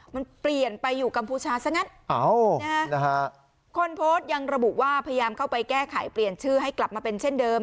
มันเปลี่ยนไปอยู่กัมพูชาซะงั้นคนโพสต์ยังระบุว่าพยายามเข้าไปแก้ไขเปลี่ยนชื่อให้กลับมาเป็นเช่นเดิม